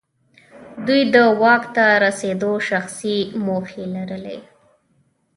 دوی د واک ته رسېدو شخصي موخې لرلې.